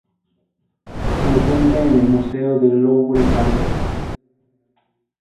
Se encuentra en el Museo del Louvre, París.